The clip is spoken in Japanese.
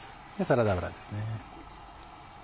サラダ油です。